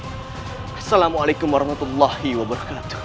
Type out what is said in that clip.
assalamualaikum warahmatullah wabarakatuh